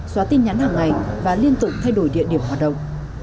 xóa tin nhắn hàng ngày và liên tục thay đổi địa điểm hoạt động